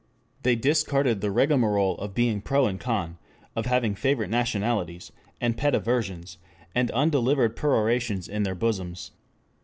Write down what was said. They discarded the rigmarole of being pro and con, of having favorite nationalities, and pet aversions, and undelivered perorations in their bosoms.